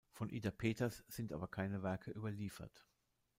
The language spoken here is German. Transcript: Von Ida Peters sind aber keine Werke überliefert.